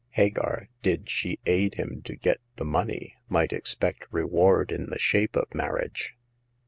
Hagar, did she aid him to get the money, might expect reward in the shape of marriage.